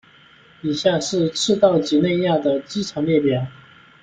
以下是赤道畿内亚的机场列表。